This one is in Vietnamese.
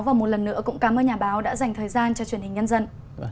và một lần nữa cũng cảm ơn nhà báo đã dành thời gian cho truyền hình nhân dân